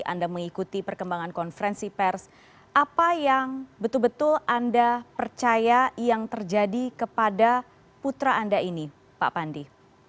anda mengikuti perkembangan konferensi pers apa yang betul betul anda percaya yang terjadi kepada putra anda ini pak pandi